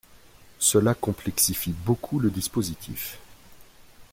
Cela complexifie beaucoup le dispositif.